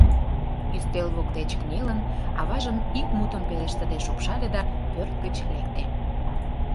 Ӱстел воктеч кынелын, аважым ик мутым пелештыде шупшале да пӧрт гыч лекте.